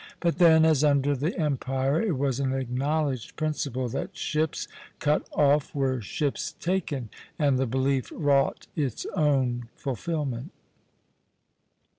But then, as under the empire, it was an acknowledged principle that ships cut off were ships taken, and the belief wrought its own fulfilment."